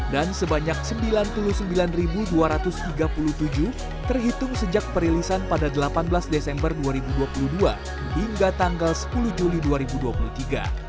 dan sebanyak sembilan puluh sembilan dua ratus tiga puluh tujuh terhitung sejak perilisan pada delapan belas desember dua ribu dua puluh dua hingga tanggal sepuluh juli dua ribu dua puluh tiga